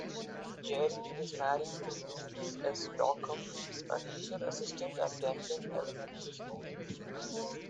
Jerry is married to Louise S. Dockham, a teacher assistant at Denton Elementary School.